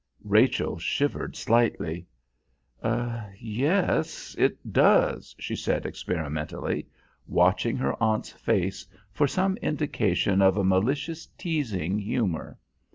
Rachel shivered slightly. "Yes, it does," she said experimentally, watching her aunt's face for some indication of a malicious teasing humour.